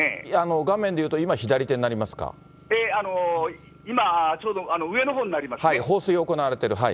画面でいうと、今、今、ちょうど上のほうになり放水が行われている、はい。